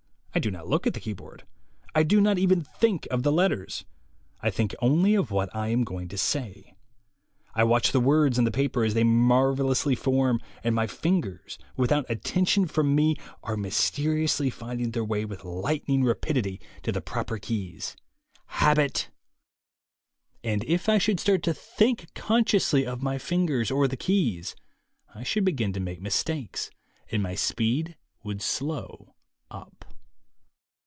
I do not look at the keyboard. I do not even think of the letters. I think only of what I am going to say; I watch the words on the paper as they marvellously form; and my fingers, with out attention from me, are mysteriously finding their way with lightning rapidity to the proper 72 THE WAY TO WILL POWER keys. Habit! And if I should start to think con sciously of my fingers or the keys, I should begin to make mistakes and my speed would slow up.